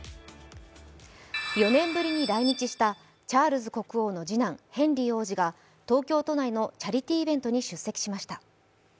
４年ぶりに来日したチャールズ国王の次男ヘンリー王子が東京都内のチャリティーイベントに出席しました。